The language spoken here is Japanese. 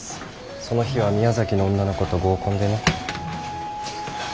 その日は宮崎の女の子と合コンでね。